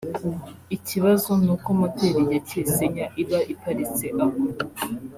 ikibazo ni uko moteri ya Kesenya iba iparitse aho